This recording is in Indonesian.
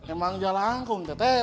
emang jalan angkung teh teh